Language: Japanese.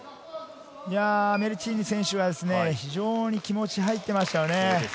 メルチーヌ選手は、非常に気持ちが入っていましたね。